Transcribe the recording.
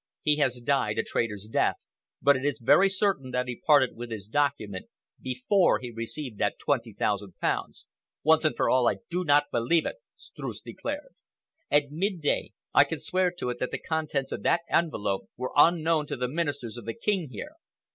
He has died a traitor's death, but it is very certain that he parted with his document before he received that twenty thousand pounds." "Once and for all, I do not believe it!" Streuss declared. "At mid day, I can swear to it that the contents of that envelope were unknown to the Ministers of the King here.